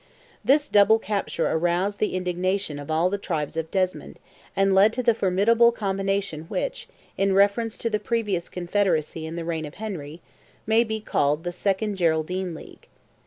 This double capture aroused the indignation of all the tribes of Desmond, and led to the formidable combination which, in reference to the previous confederacy in the reign of Henry, may be called "the second Geraldine League."